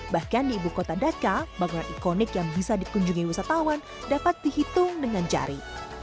bahkan di ibu kota dhaka bangunan ikonik yang bisa dikunjungi wisatawan dapat dihitung dengan jari